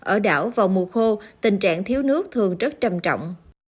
ở đảo vào mùa khô tình trạng thiếu nước thường rất trầm trọng